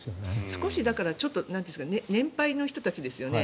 少し年配の人たちですよね。